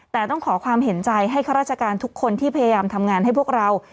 แต่ต้องขอความเห็นใจให้ข้าราชการทุกคนที่พยายามทำงานให้พวกเรา